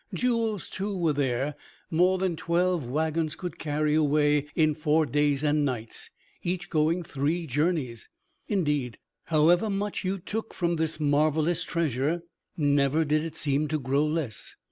Jewels, too, were there, more than twelve wagons could carry away in four days and nights, each going three journeys. Indeed, however much you took from this marvelous treasure, never did it seem to grow less.